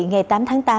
ngày tám tháng tám